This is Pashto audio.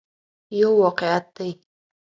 یو واقعیت دی.